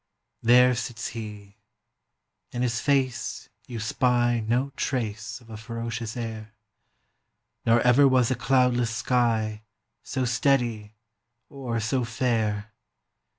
There sits he: in his face you spy 45 No trace of a ferocious air; Nor ever was a cloudless sky So steady or so fair.